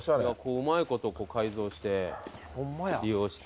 うまいこと改造して利用して。